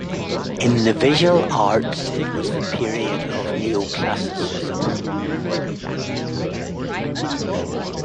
In the visual arts, it was the period of Neoclassicism.